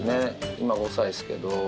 今５歳ですけど。